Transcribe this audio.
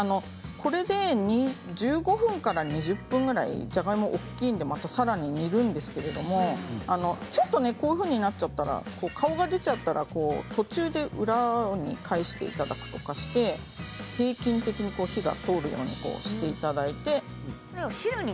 これで１５分から２０分ぐらいじゃがいもは大きいのでまた、さらに煮るんですけれどちょっとこういうふうになっちゃったら顔が出ちゃったら途中で裏に返していただくとかして平均的に火が通るようにしていただいて。